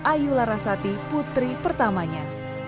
ayu larasati putri pertamanya